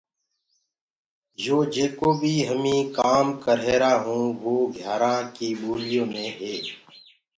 يو جيڪو بي هميٚنٚ ڪآم ڪر رهيرآ هوُنٚ وو گيآرآ ڪيٚ ٻوليو مي هي۔